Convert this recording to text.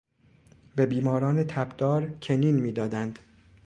به بیماران تبدار کنین میدادند.